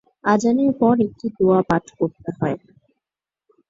আযানের পর একটি দোয়া পাঠ করতে হয়।